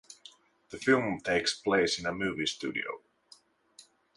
The film takes place in a movie studio.